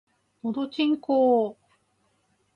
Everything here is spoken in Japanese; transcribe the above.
のどちんこぉ